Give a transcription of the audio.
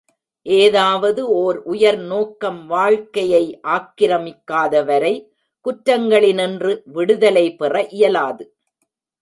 ஏதாவது ஒர் உயர் நோக்கம் வாழ்க்கையை ஆக்கிரமிக்காதவரை குற்றங்களினின்று விடுதலை பெற இயலாது.